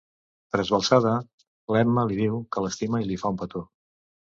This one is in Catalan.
Trasbalsada, l'Emma li diu que l'estima i li fa un petó.